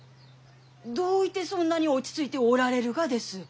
どういてそんなに落ち着いておられるがです？